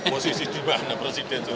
posisi dimana presiden